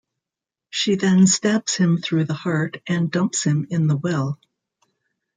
She then stabs him through the heart and dumps him in the well.